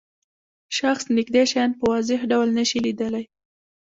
شخص نږدې شیان په واضح ډول نشي لیدلای.